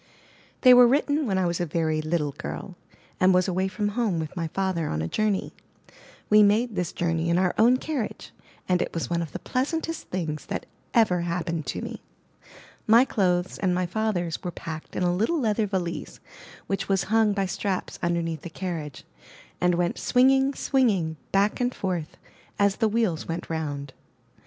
They were written when I was a very little girl, and was away from home with my father on a jour ney. We made this journey in our own carriage, and it was one of the pleasantest things that ever *FYom Cat Stories. Used by permission of the publishers, Little, Brown & Company. MY BOOK HOUSE happened to me. My clothes and my father's were packed in a little leather valise which was hung by straps underneath the carriage, and went swing ing, swinging, back and forth, as the wheels went round.